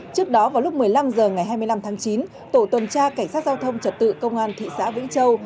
trước đó vào lúc một mươi năm h ngày hai mươi năm tháng chín tổ tuần tra cảnh sát giao thông trật tự công an thị xã vĩnh châu